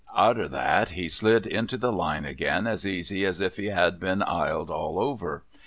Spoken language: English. Arter that, he slid into the line again as easy as if he had been iled all over.